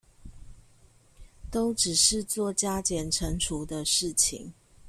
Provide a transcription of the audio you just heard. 都只是做加減乘除的事情